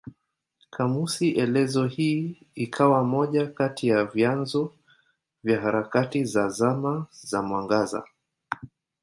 Kamusi elezo hii ikawa moja kati ya vyanzo vya harakati ya Zama za Mwangaza.